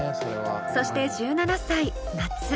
そして１７歳夏。